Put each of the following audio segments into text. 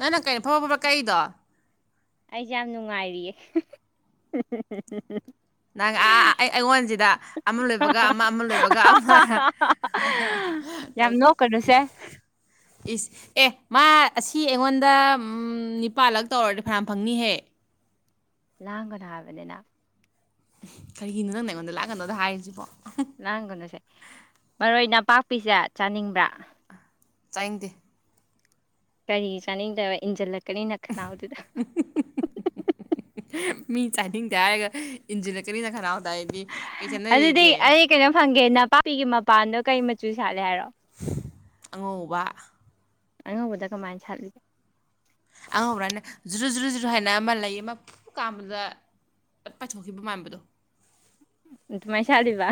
ꯅꯪꯅ ꯀꯩꯅꯣ ꯐꯕꯠ ꯐꯕꯠ ꯀꯛꯏꯗꯣ ꯑꯩꯁꯦ ꯌꯥꯝ ꯅꯨꯡꯉꯥꯏꯔꯤꯌꯦ ꯅꯪ ꯑꯥ ꯑꯩ ꯑꯩꯉꯣꯟꯁꯤꯗ ꯑꯃ ꯂꯣꯏꯕꯒ ꯑꯃ ꯑꯃ ꯂꯣꯏꯕꯒ ꯑꯃ ꯇꯧ ꯇꯧ ꯁꯦ ꯏꯁ ꯑꯦ ꯃꯥ ꯑꯁꯤ ꯑꯩꯉꯣꯟꯗ ꯎꯝ ꯅꯤꯄꯥꯜꯂꯛ ꯇꯧꯔꯗꯤ ꯐꯅꯌꯥꯝ ꯐꯪꯅꯤꯍꯦ ꯂꯥꯡꯒꯅꯣ ꯍꯥꯏꯕꯅꯤꯅ ꯀꯔꯤꯒꯤꯅꯣ ꯅꯪ ꯑꯩꯉꯣꯟꯗ ꯂꯥꯛꯒꯅꯣꯗ ꯍꯥꯏꯔꯤꯁꯤꯕꯣ ꯂꯥꯡꯒꯅꯣꯁꯦ ꯃꯔꯣꯏ ꯅꯄꯥꯛꯄꯤꯁꯦ ꯆꯥꯅꯤꯡꯕ꯭ꯔꯥ꯫ ꯆꯥꯏꯗꯦ ꯀꯔꯤꯒꯤ ꯆꯥꯅꯤꯡꯗꯕ ꯏꯟꯁꯤꯜꯂꯛꯀꯅꯤꯅ ꯅꯈꯅꯥꯎꯗꯨꯗ꯫ ꯃꯤ ꯆꯥꯏꯅꯤꯡꯗꯦ ꯍꯥꯏꯔꯒ ꯏꯟꯖꯤꯟꯂꯛꯀꯅꯤ ꯅꯈꯅꯥꯎ ꯍꯥꯏꯗꯤ ꯀꯩ ꯆꯥꯅꯔꯤꯒꯦ꯫ ꯀꯩꯅꯣꯝ ꯍꯪꯒꯦ ꯅꯄꯥꯛꯄꯤꯒꯤ ꯃꯄꯥꯟꯗꯣ ꯀꯩ ꯃꯆꯨ ꯁꯥꯠꯂꯦ ꯍꯥꯏꯔꯣ꯫ ꯑꯉꯧꯕ ꯑꯉꯧꯕꯗ ꯀꯃꯥꯏꯅ ꯁꯥꯠꯂꯤ ꯑꯉꯧꯕ꯭ꯔꯅꯦ ꯖꯨꯔꯨꯖꯨꯔꯨꯖꯨꯔꯨ ꯍꯥꯏꯅ ꯑꯃ ꯂꯩꯥ ꯑꯃ ꯐꯨ ꯀꯥꯝꯕꯗ ꯄꯠ ꯄꯥꯊꯣꯛꯈꯤꯕ ꯃꯥꯟꯕꯗꯣ ꯑꯗꯨꯃꯥꯏ ꯁꯥꯠꯂꯤꯕ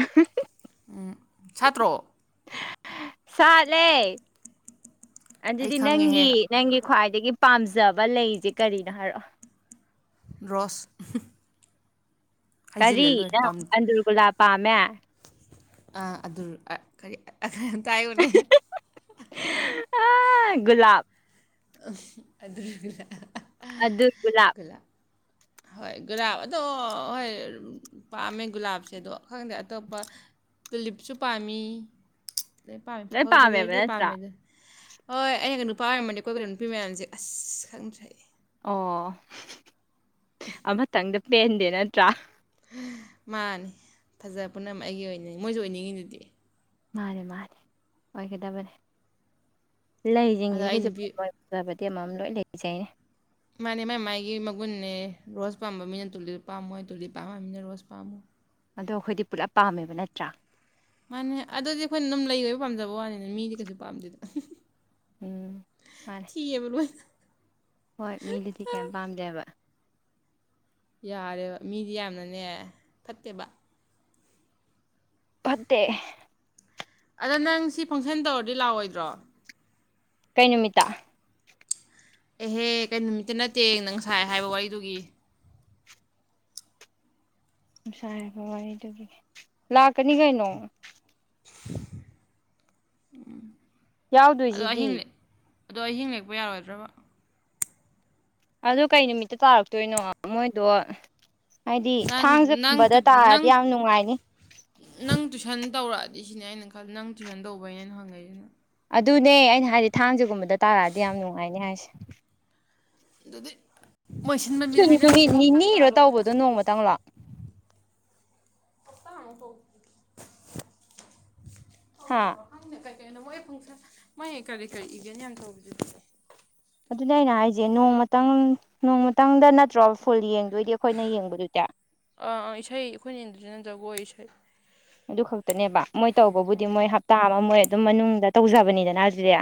ꯁꯥꯠꯇ꯭ꯔꯣ ꯁꯥꯠꯂꯦ ꯑꯩ ꯑꯗꯨꯗꯤ ꯈꯪꯉꯦꯍꯦ ꯅꯪꯒꯤ ꯅꯪꯒꯤ ꯈ꯭ꯋꯥꯏꯗꯒꯤ ꯄꯥꯝꯖꯕ ꯂꯩꯁꯦ ꯀꯔꯤꯅꯣ ꯍꯥꯏꯔꯛꯑꯣ ꯔꯣꯁ ꯍꯥꯏꯖꯤꯜꯂ ꯀꯔꯤ ꯅꯪ ꯑꯟꯗꯨꯔꯒꯨꯂꯥꯞ ꯄꯥꯝꯃꯦ꯫ ꯑ ꯑꯗꯨꯔ ꯑ ꯀꯔꯤ ꯑꯝꯇ ꯍꯥꯏꯌꯨꯅꯦ ꯑꯥ ꯒꯨꯂꯥꯞ ꯑꯗꯨꯔ ꯒꯨꯂꯥꯞ ꯑꯗꯨꯔ ꯒꯨꯂꯥꯞ [unintelligible] ꯍꯣꯏ ꯒꯨꯂꯥꯞ ꯑꯗꯣ ꯍꯣꯏ ꯄꯥꯝꯃꯦ ꯒꯨꯂꯥꯞꯁꯦ ꯑꯗꯣ ꯈꯪꯗꯦ ꯑꯇꯣꯞꯄ ꯇꯨꯂꯤꯞꯁꯨ ꯄꯥꯝꯃꯤ ꯂꯣꯏ ꯄꯥꯝꯃꯦ ꯐꯕꯨ ꯄꯥꯝꯃꯦꯕ ꯐꯖꯔꯗꯤ ꯂꯣꯏ ꯅꯠꯇ꯭ꯔꯥ ꯄꯥꯝꯃꯦꯗꯨꯅꯦ ꯍꯣꯏ ꯑꯩꯅꯒ ꯅꯨꯄꯥ ꯑꯣꯏꯔꯝꯃꯗꯤ ꯀꯣꯏꯒꯗꯕ ꯅꯨꯄꯤ ꯃꯌꯥꯝꯁꯦ ꯑꯁ ꯈꯪꯗ꯭ꯔꯦ ꯑꯩ ꯑꯣ ꯑꯃꯇꯪꯗ ꯄꯦꯟꯗꯦ ꯅꯠꯇ꯭ꯔꯥ ꯃꯥꯅꯦ ꯐꯖꯕ ꯄꯨꯝꯅꯃꯛ ꯑꯩꯒꯤ ꯑꯣꯏꯅꯤꯡꯉꯤ ꯃꯣꯏꯁꯨ ꯑꯣꯏꯅꯤꯡꯉꯤꯗꯨꯗꯤ ꯃꯥꯅꯦ ꯃꯥꯅꯦ ꯑꯣꯏꯒꯗꯕꯅꯦ ꯑꯗ ꯑꯩ ꯂꯩꯖꯤꯡꯖꯤꯒꯤꯖꯨ ꯅꯨꯄꯤ [inaudible] ꯐꯖꯕꯗꯤ ꯑꯃꯃꯝ ꯂꯣꯏ ꯂꯩꯖꯩꯅꯦ ꯃꯥꯅꯦ ꯃꯥꯥꯏ ꯃꯥꯏꯒꯤ ꯃꯒꯨꯟꯅꯦ ꯔꯣꯁ ꯄꯥꯝꯕ ꯃꯤꯅ ꯇꯨꯂꯤꯞ ꯄꯥꯝꯃꯣꯏ ꯇꯨꯂꯤꯞ ꯄꯥꯝꯕ ꯃꯤꯅ ꯔꯣꯁ ꯄꯥꯝꯃꯣꯏ ꯑꯗꯣ ꯑꯩꯈꯣꯏꯗꯤ ꯄꯨꯂꯞ ꯄꯥꯝꯃꯦꯕ ꯅꯠꯇ꯭ꯔꯥ ꯃꯥꯅꯦ ꯑꯗꯨꯗꯤ ꯑꯩꯈꯣꯏꯅ ꯑꯗꯨꯝ ꯂꯩ ꯑꯣꯏꯕꯩ ꯄꯥꯝꯖꯕ ꯋꯥꯅꯤꯅ ꯃꯤꯗꯤ ꯀꯩꯁꯨ ꯄꯥꯝꯗꯦꯗ ꯎꯝ ꯃꯥꯅꯦ ꯊꯤꯌꯦꯕ ꯂꯣꯏꯅ ꯍꯣꯏ ꯃꯤꯗꯗꯤ ꯀꯦꯝ ꯄꯥꯝꯗꯦꯕ ꯌꯥꯔꯦꯕ ꯃꯤꯗꯤ ꯌꯥꯝꯅꯅꯦ ꯐꯠꯇꯦꯕ ꯐꯠꯇꯦ ꯑꯗ ꯅꯪ ꯁꯤ ꯐꯪꯁꯟ ꯇꯧꯔꯗꯤ ꯂꯥꯛꯑꯣꯏꯗ꯭ꯔꯣ ꯀꯩ ꯅꯨꯃꯤꯠꯇ ꯑꯦꯍꯦ ꯀꯩ ꯅꯨꯃꯤꯠꯇ ꯅꯠꯇꯦ ꯅꯪ ꯁꯥꯏ ꯍꯥꯏꯕ ꯋꯥꯔꯤꯗꯨꯒꯤ ꯉꯁꯥꯏ ꯍꯥꯏꯕ ꯋꯥꯔꯤꯗꯨꯒꯤ ꯂꯥꯛꯀꯅꯤ ꯀꯩꯅꯣ ꯎꯝ ꯑꯗꯣ ꯌꯥꯎꯗꯣꯏꯁꯤꯗꯤ ꯑꯍꯤꯡ ꯂꯦꯛ ꯑꯗꯣ ꯑꯍꯤꯡ ꯂꯦꯛꯄ ꯌꯥꯔꯣꯏꯗ꯭ꯔꯕ ꯑꯗꯨ ꯀꯩ ꯅꯨꯃꯤꯠꯇ ꯇꯥꯔꯛꯇꯣꯏꯅꯣ ꯃꯣꯏꯗꯣ ꯍꯥꯏꯗꯤ ꯅꯪ ꯅꯪ ꯊꯥꯡꯖꯒꯨꯝꯕꯗ ꯅꯪ ꯇꯥꯔꯗꯤ ꯌꯥꯝ ꯅꯨꯡꯉꯥꯏꯅꯤ ꯅꯪ ꯇꯨꯏꯁꯟ ꯇꯧꯔꯛꯑꯗꯤ ꯁꯤꯅꯦ ꯑꯩꯅ ꯈꯜꯂꯤ ꯅꯪ ꯇꯨꯏꯁꯟ ꯇꯧꯕꯩꯅꯦ ꯑꯩꯅ ꯍꯪꯉꯛꯏꯁꯤꯅ ꯑꯗꯨꯅꯦ ꯑꯩꯅ ꯍꯥꯏꯗꯤ ꯊꯥꯡꯖꯒꯨꯝꯕꯗ ꯇꯥꯔꯛꯑꯗꯤ ꯌꯥꯝ ꯅꯨꯡꯉꯥꯏꯅꯦ ꯍꯥꯏꯁꯦ ꯑꯗꯨꯗꯤ ꯃꯣꯏ ꯁꯤꯟꯕ ꯃꯤꯗ ꯍꯥꯏꯅꯔꯤꯁꯤꯔꯣ ꯊꯥꯡ ꯇꯥꯍꯜꯂꯛꯑꯣꯅ ꯎꯃ ꯇꯪꯂꯥ [inaudible] ꯍꯥ ꯊꯧꯗꯕ꯭ꯔꯣ ꯈꯪꯗꯦ ꯀꯩꯀꯩꯅꯣ ꯃꯣꯏ ꯐꯪꯁꯟ ꯃꯣꯏ ꯀꯔꯤ ꯀꯔꯤ ꯏꯕꯦꯟ ꯌꯥꯝ ꯇꯧꯔꯤꯗꯨꯗꯤ ꯑꯗꯨꯅꯦ ꯑꯩꯅ ꯍꯥꯏꯁꯦ ꯅꯣꯡꯃꯇꯪ ꯅꯣꯡꯃꯇꯪꯗ ꯅꯠꯇ꯭ꯔꯣ ꯐꯨꯜ ꯌꯦꯡꯗꯣꯏꯗꯤ ꯑꯩꯈꯣꯏꯅ ꯌꯦꯡꯕꯗꯨꯗꯤ ꯑꯥ ꯑꯥ ꯏꯁꯩ ꯑꯩꯈꯣꯏꯅ ꯌꯦꯡꯗꯣꯏꯖꯤꯅ ꯖꯒꯣꯏ ꯏꯁꯩ ꯑꯗꯨ ꯈꯛꯇꯅꯦꯕ ꯃꯣꯏ ꯇꯧꯕꯕꯨꯗꯤ ꯃꯣꯏ ꯍꯞꯇꯥ ꯑꯃ ꯃꯣꯏ ꯑꯗꯨꯝ ꯃꯅꯨꯡꯗ ꯇꯧꯖꯕꯅꯤꯗꯅ ꯑꯗꯨꯗꯤ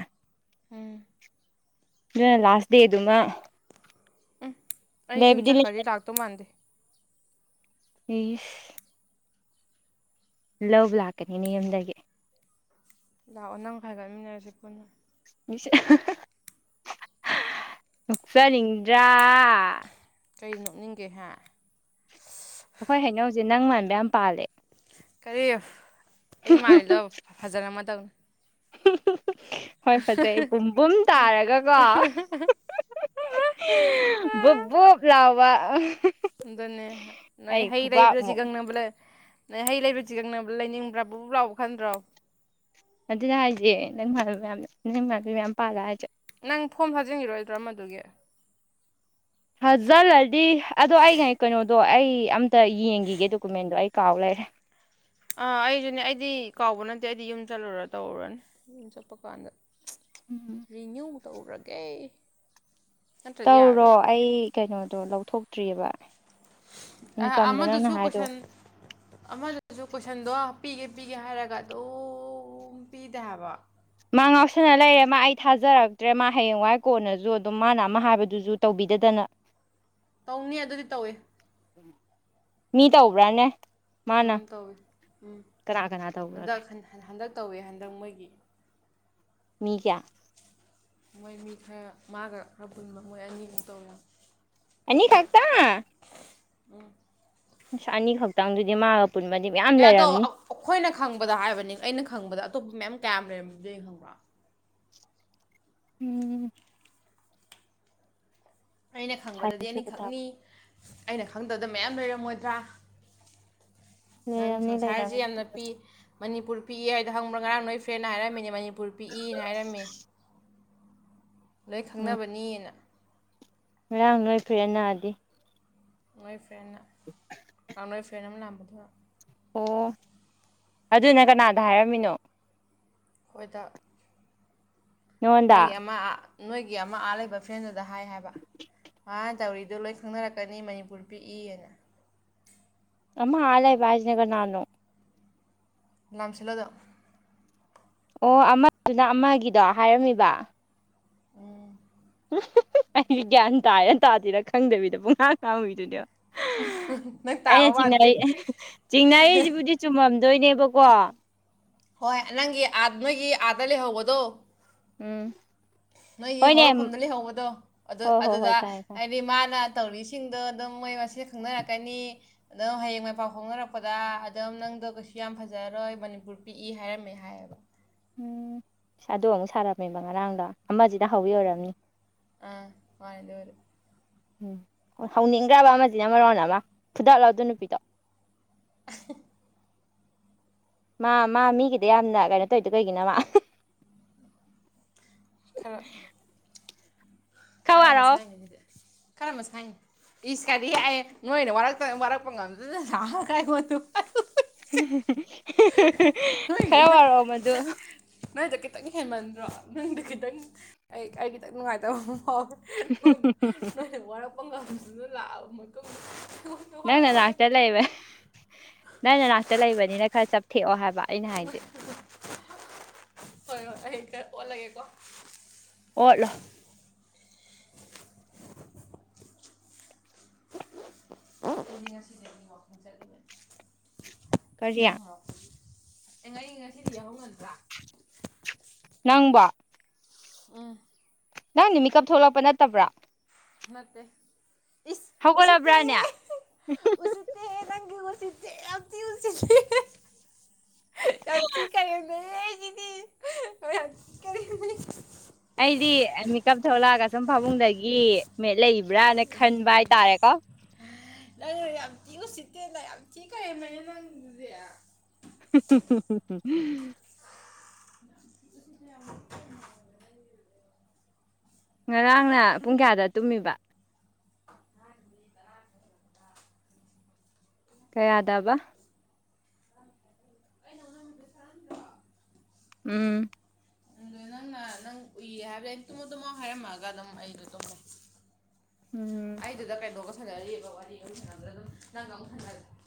ꯎꯝ ꯑꯗꯨꯅ ꯂꯥꯁ ꯗꯦꯗꯨꯃ ꯑꯩ ꯌꯨꯝ ꯂꯩꯕꯨꯗꯤ [inaudible] ꯆꯠꯈ꯭ꯔꯗꯤ ꯂꯥꯛꯇꯧ ꯃꯥꯟꯗꯦ ꯏꯁ ꯂꯧꯕ ꯂꯥꯛꯀꯅꯤꯅꯦ ꯌꯨꯝꯗꯒꯤ ꯂꯥꯛꯑꯣ ꯅꯪꯒ ꯍꯥꯏꯒꯠꯃꯤꯟꯅꯔꯁꯤ ꯄꯨꯟꯅ ꯏꯁ ꯅꯣꯛꯆꯅꯤꯡꯗ꯭ꯔꯥ ꯀꯩ ꯅꯣꯛꯅꯤꯡꯒꯦ ꯍꯥ ꯑꯩꯈꯣꯏ ꯍꯩꯅꯧꯁꯦ ꯅꯪ ꯃꯥꯟꯕ ꯌꯥꯝ ꯄꯥꯜꯂꯦ ꯀꯔꯤ ꯑꯩ ꯃꯥꯜꯂꯤꯗꯣ ꯐꯖꯔꯝꯃꯗꯧꯅꯤ [inaudible] ꯍꯣꯏ ꯐꯖꯩ ꯄꯨꯝꯕꯨꯝ ꯇꯥꯔꯒꯀꯣ ꯕꯨꯕꯨꯞ ꯂꯥꯎꯕ ꯑꯗꯨꯅꯤ ꯅꯣꯏ ꯑꯩ ꯍꯩ ꯂꯩꯕꯗ ꯈꯨꯕꯥꯛꯃꯨꯛ ꯆꯤꯒꯪꯅꯕ ꯂꯩ ꯅꯣꯏ ꯍꯩ ꯂꯩꯕꯗ ꯆꯤꯒꯪꯅꯕ ꯂꯩꯅꯤꯡꯕ꯭ꯔꯥ ꯕꯨ ꯕꯨꯞ ꯂꯥꯎꯕ ꯈꯟꯗ꯭ꯔꯣ ꯑꯗꯨꯅꯦ ꯍꯥꯏꯁꯦ ꯅꯪꯉꯜ ꯃꯌꯥꯝ ꯅꯪꯉꯜꯕ ꯃꯌꯥꯝ ꯄꯥꯜꯂꯦ ꯍꯥꯏꯁꯤ ꯅꯪ ꯐꯣꯝ ꯊꯥꯖꯤꯟꯈꯤꯔꯣꯏꯗ꯭ꯔꯣ ꯑꯃꯗꯨꯒꯤ ꯍꯥꯖꯤꯜꯂꯗꯤ ꯑꯗꯣ ꯑꯩ ꯀꯩꯅꯣꯗꯣ ꯑꯩ ꯑꯝꯇ ꯌꯦꯡꯈꯤꯒꯦ ꯗꯣꯀꯨꯃꯦꯟꯗꯣ ꯑꯩ ꯀꯥꯎ ꯂꯩꯔꯦ ꯑꯥ ꯑꯩꯁꯨꯅꯦ ꯑꯩꯗꯤ ꯀꯥꯎꯕ ꯅꯠꯇꯦ ꯑꯩꯗꯤ ꯌꯨꯝ ꯆꯠꯂꯨꯔ ꯇꯧꯔꯨꯔꯅꯤ ꯌꯨꯝ ꯆꯠꯄ ꯀꯥꯟꯗ ꯔꯤꯅ꯭ꯌꯨ ꯇꯧꯔꯒꯦ ꯅꯠꯇ꯭ꯔꯗꯤ ꯇꯧꯔꯣ ꯌꯥꯔꯔꯣꯏ ꯑꯩ ꯀꯩꯅꯣꯗꯣ ꯂꯧꯊꯣꯛꯇ꯭ꯔꯤꯑꯕ ꯑ ꯏꯟꯀꯝꯗꯣ ꯅꯪꯅ ꯑꯃꯗꯨꯁꯨ ꯍꯥꯏꯗꯣ ꯀꯣꯢꯁꯟ ꯑꯃꯗꯨ ꯑꯗꯨꯁꯨ ꯀꯣꯏꯁꯟꯗꯣ ꯄꯤꯒꯦ ꯄꯤꯒꯦ ꯍꯥꯏꯔꯒ ꯑꯗꯨꯝ ꯄꯤꯗꯦ ꯍꯥꯏꯕ ꯃꯥ ꯉꯥꯎꯁꯥꯟꯅ ꯂꯩꯔꯦ ꯀ- ꯃꯥ ꯑꯩ ꯊꯥꯖꯔꯛꯇ꯭ꯔꯦ ꯃꯥ ꯍꯌꯦꯡꯋꯥꯏ ꯀꯣꯟꯅꯁꯨ ꯑꯗꯨꯝ ꯃꯥꯅ ꯑꯃ ꯍꯥꯏꯕꯗꯨꯁꯨ ꯇꯧꯕꯤꯗꯗꯅ ꯇꯧꯅꯤ ꯑꯗꯨꯗꯤ ꯇꯧꯏ ꯃꯤ ꯇꯧꯕ꯭ꯔꯥꯅꯦ ꯎꯝ ꯃꯥꯅ ꯇꯧꯋꯦ ꯎꯝ ꯀꯅꯥ ꯀꯅꯥ ꯇꯧꯈ꯭ꯔꯒꯦ ꯍꯟꯗꯛ ꯍꯟꯗꯛ ꯇꯧꯋꯦ ꯍꯟꯗꯛ ꯃꯣꯏꯒꯤ ꯃꯤ ꯀꯌꯥ ꯃꯣꯏ ꯃꯤ ꯈꯔ ꯃꯥꯒ ꯈꯔ ꯄꯨꯟꯕ ꯃꯣꯏ ꯑꯅꯤꯒ ꯇꯧꯋꯤ ꯑꯅꯤꯈꯥꯛꯇ ꯎꯝ ꯑꯅꯤꯈꯛꯇꯪꯗꯨꯗꯤ ꯃꯥꯒ ꯄꯨꯟꯕꯗꯤ ꯃꯌꯥꯝ ꯑꯦ ꯑꯗꯣ ꯂꯩꯔꯝꯅꯤ ꯑꯩꯈꯣꯏꯅ ꯈꯪꯕꯗ ꯍꯥꯏꯕꯅꯤ ꯑꯩꯅ ꯈꯪꯕꯗ ꯑꯇꯣꯞꯄ ꯃꯌꯥꯝ ꯀꯌꯥꯝ ꯂꯩꯔꯝꯒꯅꯤꯗꯤ ꯈꯪꯕ꯭ꯔꯥ ꯎꯝ ꯑꯩꯅ ꯈꯪꯕꯗꯗꯤ ꯊꯥꯖꯕ ꯇꯥꯕ ꯑꯅꯤꯈꯛꯅꯤ ꯑꯩꯅ ꯈꯪꯗꯕꯗ ꯃꯌꯥꯝ ꯂꯩꯔꯝꯃꯣꯏꯗ꯭ꯔꯥ ꯅꯪ ꯂꯩꯔꯝꯅꯤ ꯁꯪꯁꯥꯔꯁꯤ ꯂꯩꯔꯝꯅꯤ ꯌꯥꯝꯅ ꯄꯤꯛꯏ ꯃꯅꯤꯄꯨꯔ ꯄꯤꯛꯏ ꯍꯥꯏꯗꯅ ꯈꯪꯕ꯭ꯔꯥ ꯉꯔꯥꯡ ꯅꯣꯏ ꯐ꯭ꯔꯦꯟꯅ ꯍꯥꯏꯔꯝꯃꯤꯅꯦ ꯃꯅꯤꯄꯨꯔ ꯄꯤꯛꯏꯅ ꯍꯥꯏꯔꯝꯃꯦ ꯂꯣꯏ ꯎꯝ ꯈꯪꯅꯕꯅꯤꯅ ꯉꯔꯥꯡ ꯅꯣꯏ ꯐ꯭ꯔꯦꯟ ꯅꯥꯗꯤ ꯅꯣꯏ ꯐ꯭ꯔꯦꯟꯅ ꯅꯣꯏ ꯐ꯭ꯔꯦꯟ ꯑꯃ ꯂꯥꯛꯕꯗꯨ ꯑꯣ ꯑꯗꯨꯅ ꯀꯅꯥꯗ ꯍꯥꯏꯔꯝꯃꯤꯅꯣ ꯑꯩꯈꯣꯏꯗ ꯅꯣꯏꯒꯤ ꯅꯉꯣꯟꯗ ꯑꯃ ꯅꯣꯏꯒꯤ ꯑꯃ ꯑꯥ ꯂꯩꯕ ꯐ꯭ꯔꯦꯟꯗꯨꯗ ꯍꯥꯏ ꯍꯥꯏꯕ ꯍꯥ ꯗꯥꯎꯔꯤꯗꯣ ꯂꯣꯏ ꯈꯪꯅꯔꯛꯀꯅꯤꯅ ꯃꯅꯤꯄꯨꯔ ꯄꯤꯛꯏꯅ ꯑꯃ ꯑꯥ ꯂꯩꯕ ꯍꯥꯢꯁꯤꯅ ꯀꯅꯅꯣ ꯂꯝꯝꯁꯤꯜꯂꯗ [unintelligible] ꯑꯣ ꯑꯃꯗꯨꯅ ꯑꯃꯒꯤꯗꯣ ꯍꯥꯏꯔꯝꯃꯤꯕ ꯎꯝ ꯑꯩ ꯒ꯭ꯌꯥꯟ ꯇꯥꯢꯔ ꯇꯥꯗꯔꯤꯔ ꯈꯪꯗꯕꯤꯗ ꯄꯨꯡꯉꯥꯡ ꯉꯥꯡꯕꯤꯗꯨꯅꯦꯕ ꯅꯪ ꯑꯩꯅ ꯇꯥꯕ ꯃꯥꯟꯗꯦ ꯆꯤꯡꯅꯔꯤ ꯆꯤꯡꯅꯔꯤꯁꯤꯕꯨꯗꯤ ꯆꯨꯝꯃꯝꯗꯣꯏꯅꯦꯕꯀꯣ ꯍꯣꯏ ꯅꯪꯒꯤ ꯅꯣꯏꯒꯤ ꯑꯥꯗ ꯂꯩꯍꯧꯕꯗꯣ ꯎꯝ ꯅꯣꯏꯒꯤ ꯍꯣꯏꯅꯦ ꯍꯧꯔꯛꯐꯝꯗ ꯂꯩꯍꯧꯕꯗꯣ ꯑꯗꯨ ꯍꯣꯏ ꯍꯣꯏ ꯑꯗꯨꯗ ꯍꯣꯏ ꯈꯪꯉꯦ ꯈꯪꯉꯦ ꯍꯥꯏꯗꯤ ꯃꯥꯅ ꯇꯧꯔꯤꯁꯤꯡꯗꯣ ꯑꯗꯨꯝ ꯃꯣꯏ ꯃꯁꯦꯟ ꯈꯪꯅꯔꯛꯀꯅꯤ ꯑꯗꯨꯝ ꯍꯌꯦꯡꯋꯥꯢ ꯄꯥꯎ ꯐꯣꯡꯅꯔꯛꯄꯗ ꯑꯗꯨꯝ ꯅꯪꯗꯣ ꯀꯩꯁꯨ ꯌꯥꯝ ꯐꯖꯔꯣꯏ ꯃꯅꯤꯄꯨꯔ ꯄꯤꯛꯏ ꯍꯥꯏꯔꯝꯃꯦ ꯍꯥꯏꯌꯦꯕ ꯎꯝ ꯑꯗꯨ ꯑꯃꯨꯛ ꯁꯥꯔꯝꯃꯦꯕ ꯉꯔꯥꯡꯗꯣ ꯑꯃꯁꯤꯅ ꯍꯧꯔꯤ ꯑꯣꯏꯔꯝꯅꯤ ꯑꯝ ꯃꯥꯅꯦ ꯑꯗꯨꯕꯨꯗꯤ ꯎꯝ ꯍꯧꯅꯤꯡꯗ꯭ꯔꯕ ꯑꯃꯁꯤꯅ ꯃꯔꯣꯟ ꯑꯃ ꯐꯨꯗꯥꯠꯂꯣ ꯑꯗꯨ ꯅꯨꯄꯤꯗꯣ ꯑ [unintelligible] ꯃꯥ ꯃꯥ ꯃꯤꯒꯤꯗ ꯌꯥꯝꯅ ꯀꯩꯅꯣ ꯇꯧꯔꯤꯗꯣ ꯀꯩꯒꯤꯅꯣ ꯃꯥ ꯈꯔ ꯈꯔ ꯃꯁꯥꯢꯅꯦ ꯑꯗꯨꯗꯤ ꯈꯔ ꯃꯁꯥꯏꯅꯦ ꯏꯁ ꯀꯗꯤ ꯍꯥꯏꯑꯦ ꯅꯣꯏꯅ ꯋꯥꯔꯛꯇꯕ ꯋꯥꯔꯛꯄ ꯉꯝꯗꯗꯅ ꯂ ꯀꯥꯏ ꯄꯣꯠꯇꯨ ꯈꯔ ꯋꯥꯔꯛꯑꯣ ꯃꯗꯨ ꯅꯪꯗ ꯈꯤꯇꯪ ꯍꯦꯟꯃꯟꯗ꯭ꯔꯣ ꯅꯪꯗ ꯈꯤꯇꯪ ꯑꯩ ꯑꯩ ꯈꯤꯇꯪ ꯅꯨꯡꯉꯥꯏꯇꯕ ꯑꯃ ꯐꯥꯎꯦ ꯅꯣꯏꯅ ꯅꯣꯏꯅ ꯋꯥꯔꯛꯄ ꯉꯝꯗꯨꯅ ꯂꯥꯛꯑꯕ ꯃꯇꯨꯡꯗ ꯅꯪꯅ ꯅꯅꯥꯛꯇ ꯂꯩꯕ ꯅꯪꯅ ꯉꯅꯥꯛꯇ ꯂꯩꯕꯅꯤꯅ ꯈꯔ ꯆꯞꯊꯦꯛꯑꯣ ꯍꯥꯏꯕ ꯑꯩꯅ ꯍꯥꯏꯗꯤ ꯍꯣꯏ ꯍꯣꯏ ꯑꯩ ꯈꯔ ꯑꯣꯜꯂꯒꯦꯀꯣ ꯑꯣꯠꯂ‌ꫭ ꯑꯩꯗꯤꯉꯁꯤꯁ‌ꯦ [unintelligible] ꯀꯔꯤ ꯑꯦ ꯉ ꯑꯩ ꯉꯁꯤꯗꯤ ꯌꯥꯎꯍꯧ ꯉꯟꯗ꯭ꯔꯥ ꯅꯪꯕꯥ ꯑꯝ ꯅꯪꯗꯤ ꯃꯤꯀꯞ ꯊꯣꯛꯂꯛꯄ ꯅꯠꯇꯕ꯭ꯔꯥ ꯅꯠꯇ‌ꯦ ꯏꯁ ꯎꯁꯤꯠꯇ‌ꯦ ꯍꯧꯒꯠꯂꯕ꯭ꯔꯥꯅꯦ ꯍ‌ꯦ ꯎꯁꯤꯠ ꯇ‌ꯦ ꯍꯦ ꯅꯪꯗꯤ ꯎꯟꯁꯤꯗꯦ ꯌꯥꯝ ꯊꯤꯅ ꯎꯁꯤꯠ ꯌꯥꯝꯊꯤꯅ ꯀꯔꯦꯝꯅꯩꯍꯩ ꯁꯤꯗꯤ ꯃꯌꯥꯝ ꯑꯩꯗꯤ ꯃꯤꯀꯞ ꯊꯣꯛꯂꯛꯑꯒ ꯁꯨꯝ ꯄꯥꯕꯨꯡꯗꯒꯤ ꯃꯦꯠ ꯂꯩꯔꯤ [inaudible] ꯅꯪꯅ ꯌꯥꯝ ꯊꯤ ꯎꯁꯤꯠꯇꯦꯅ ꯌꯥꯝ ꯊꯤꯅ ꯀꯔ‌ꯦꯝꯅꯩꯍ‌ꯦ ꯅꯪꯒꯨꯗꯨꯗꯤ [inaudible] [unintelligible] ꯉꯔꯥꯡꯅ ꯄꯨꯡ ꯀꯌꯥꯗ ꯇꯨꯝꯃꯤꯕ ꯉꯔꯥꯡꯗꯤ ꯇꯔꯥꯗ [unintelligible] ꯇꯔꯥꯗ ꯀꯌꯥꯗꯕ ꯑꯩꯅ ꯅꯉ‌ꫭꯟꯗ ꯃ‌ꯦꯁ‌ꯦꯁ ꯊꯥꯔꯝꯗ꯭ꯔ‌ꫭ ꯎꯝ ꯑꯗꯣ ꯅꯪꯅ ꯅꯪ ꯎꯏꯌꯦ ꯍꯥꯏꯕꯗ ꯑꯩ ꯇꯨꯝꯃꯣ ꯇꯨꯝꯃꯣ ꯍꯥꯏꯔꯝ‌ꯃꯒ ꯑꯗꯨꯝ ꯑꯩꯖꯨ ꯇꯨꯒ‌꯭ꯔ‌ꯦ ꯎꯝ ꯑꯩꯗꯨꯗ ꯀꯩꯅꯣꯒ ꯁꯥꯟꯅꯔꯤꯕꯑꯕ ꯋꯥꯔꯤ ꯑꯃ ꯁꯥꯟꯅꯕꯗ ꯑꯗꯨꯝ ꯅꯪꯒ ꯑꯃꯨꯛ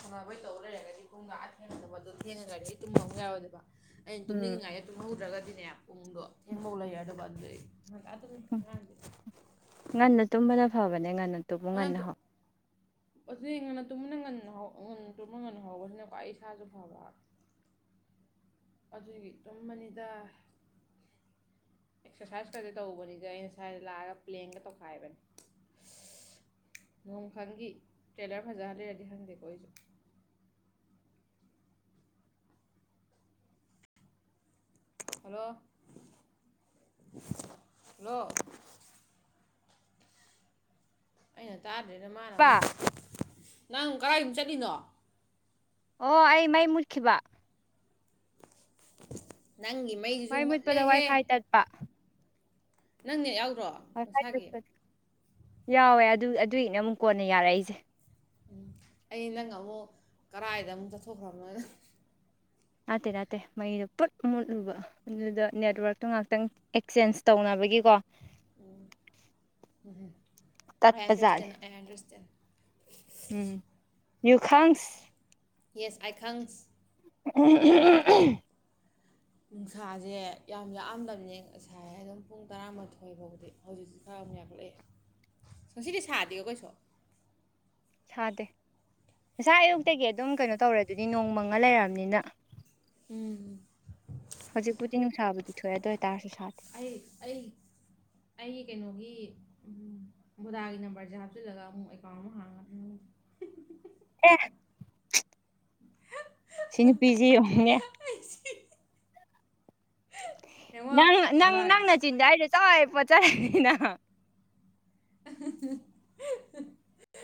ꯁꯥꯟꯅꯕꯩ ꯇꯧ ꯂꯩꯔꯒꯗꯤ ꯄꯨꯡꯗꫭ ꯑꯥ ꯊꯦꯡꯆꯗꯕ ꯑꯗꯨ ꯊꯦꯡꯉꯒꯗꯤ ꯇꯨꯝꯕ ꯑꯃꯨꯛ ꯌꯥꯔꫭꯏꯗꫭꯏꯕ ꯑꯩꯅ ꯎꯝ ꯇꯨꯝꯅꯤꯡꯉꯥꯏꯗ ꯇꯨꯝꯍꯧꯗ꯭ꯔꯒꯗꯤꯅꯦ ꯄꯨꯡꯗꯣ ꯊꯦꯡꯕꯧ ꯂꯩꯔꯗꯧꯕꯩ ꯑꯗꯨꯏ ꯍꯪ ꯑꯗꯨꯝ ꯍ [unintelligible] ꯉꯟꯅ ꯇꯨꯝꯕꯅ ꯐꯕꯅꯦ ꯉꯟꯅ ꯇꯨꯝꯃꯨ ꯉꯟꯅ ꯍꯥꯎ ꯑꯁꯤ ꯉꯟꯅ ꯇꯨꯝꯟꯅ ꯉꯟꯅ ꯉꯟꯅ ꯇꯨꯝꯅ ꯉꯟꯅ ꯍꯧꯕꯁꯤꯅꯀ꯭ꯋꯥ ꯑꯩ ꯏꯁꯥꯁꯨ ꯐꯕ ꯑꯗꯨꯒꯤ ꯇꯨꯝꯕꯅꯤꯗ ꯑꯦꯛꯁꯔꯁꯥꯏꯖ ꯈꯔꯗꯤ ꯇꯧꯕꯅꯤꯗ ꯑꯩꯅ ꯁ꯭ꯋꯥꯥꯏꯗ ꯂꯥꯛꯑꯒ ꯄ꯭ꯂꯦꯟꯒ ꯇꯧꯈꯥꯏꯕꯅꯦ ꯅꫭꯡ ꯈꯪꯒꯤ ꯇ꯭ꯔꯦꯂꯔ ꯐꯖꯍꯜꯂꯤꯔꯗꯤ ꯈꯪꯗꯦꯀꯣ ꯑꯩꯁꯨ ꯍꯜꯂꯣ ꯍꯜꯂꯣ ꯑꯩꯅ ꯇꯥꯗ꯭ꯔꯤꯔꯥ ꯃꯥꯅ ꯕ ꯑꯃꯨꯛ ꯅꯪ ꯀꫪꯥꯏ ꯑꯃꯨꯛ ꯆꯠꯂꯤꯅꯣ ꯑꯣ ꯑꯩ ꯃꯩ ꯃꯨꯠꯈꯤꯕ ꯅꯪꯒꯤ ꯃꯩ ꯃꯩ ꯃꯨꯠꯄꯗ ꯋꯥꯏ ꯐꯥꯏ ꯇꯠꯄ ꯅꯪ ꯅꯦꯠ ꯌꯥꯎꯗ꯭ꯔꯣ ꯋꯥꯏ ꯐꯥꯏ ꯆꯠ ꯅꯁꯥꯒꯤ [unintelligible] ꯌꯥꯎꯋꯦ ꯑꯗꯨ ꯑꯗꯨꯒꯤꯅ ꯑꯃꯨꯛ ꯀꯣꯟꯅ ꯌꯥꯔꯛꯏꯁꯦ ꯎꯝ ꯑꯩ ꯅꯪ ꯑꯃꯨꯛ ꯀꯔꯥꯏꯗ ꯑꯃꯨꯛ ꯆꯠꯊꯣꯛꯈ꯭ꯔꯕꯅꯣ ꯅꯠꯇꯦ ꯅꯠꯇꯦ ꯃꯩꯗꯣ ꯄꯨꯨꯠ ꯃꯨꯠꯂꯨꯕ ꯑꯗꯨꯗ ꯅꯦꯠꯋꯔꯛꯇꯣ ꯉꯥꯛꯇꯪ ꯑꯦꯛꯆꯦꯟꯖ ꯇꯧꯅꯕꯒꯤꯀꯣ ꯎꯝ ꯑꯥꯏ ꯇꯠꯄꯖꯥꯠꯅꯤ ꯑꯟꯗꯔꯁꯇꯦꯟ ꯑꯥꯏ ꯑꯟꯗꯔꯁꯇꯦꯟ ꯎꯝ ꯍꯣꯏ ꯌꯨꯈꯪꯁ ꯌꯦꯁ ꯑꯥꯏ ꯈꯪꯁ ꯎꯝ [unintelligible] ꯅꯨꯡꯁꯥꯁꯦ ꯌꯥꯝ ꯂꯥꯛꯑꯝꯗꯕꯅꯦ ꯉꯁꯥꯏ ꯑꯗꯨꯝ ꯄꯨꯡ ꯇꯔꯥꯃꯥꯊꯣꯏ ꯐꯥꯎꯗꯤ ꯍꯧꯖꯤꯛꯛꯇꯤ ꯊꯥ ꯌꯥꯝ ꯌꯥꯛꯈꯠꯂꯛꯑꯦ ꯉꯁꯤꯗꯤ ꯁꯥꯗꯦꯀꯣ ꯀꯩꯁꯨ ꯁꯥꯗꯦ ꯉꯁꯥꯢ ꯑꯌꯨꯛꯇꯒꯤ ꯑꯗꯨꯝ ꯀꯩꯅꯣ ꯇꯧꯔꯗꯨꯗꯤ ꯅꯣꯡꯃꯪꯉ ꯂꯩꯔꯕꯅꯤꯅ ꯎꯝ ꯍꯧꯖꯤꯛꯄꯨꯗꯤ ꯅꯨꯡꯁꯥꯕꯨꯗꯤ ꯊꯣꯛꯑꯦ ꯑꯗꯨ ꯑꯣꯏꯇꯥꯔꯁꯨ ꯁꯥꯗꯦ ꯑꯩ ꯑꯩ ꯑꯩ ꯀꯩꯅꯣꯒꯤ ꯎꯝ ꯚꯣꯗꯥꯒꯤ ꯅꯝꯕꯔꯁꯦ ꯍꯥꯞꯆꯤꯜꯂꯒ ꯑꯃꯨꯛ ꯑꯦꯀꯥꯎꯟ ꯑꯃ ꯍꯥꯡꯉꯒ ꯑꯦ ꯁꯤ ꯅꯨꯄꯤꯁꯤ ꯌꯦꯡꯉꯨꯅꯦ [unintelligible] ꯌꯦꯡꯉꯣ ꯅꯪ ꯅꯪ ꯕꯣꯗꯥ ꯅꯪ ꯅꯆꯤꯟꯗꯣ ꯑꯩꯅ ꯆꯥꯞ ꯂꯥꯎꯅ ꯄꯣꯠꯖꯥꯟꯂꯅꯤ [unintelligible]